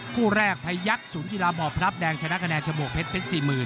คู่แรกไปยักษ์ศูนย์กีฬาบรอบพลับแดงชนะคะแนวโธคเพชรสี่หมื่น